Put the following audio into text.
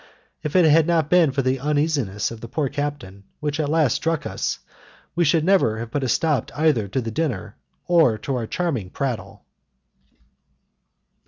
If it had not been for the uneasiness of the poor captain, which at last struck us, we should never have put a stop either to the dinner or to, our charming prattle.